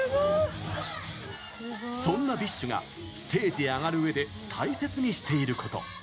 そんなＢｉＳＨがステージへ上がるうえで大切にしていること。